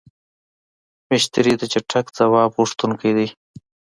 مشتری د چټک ځواب غوښتونکی دی.